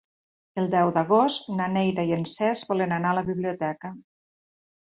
El deu d'agost na Neida i en Cesc volen anar a la biblioteca.